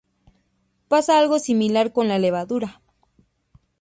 Pasa algo similar con la levadura.